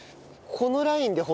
このライン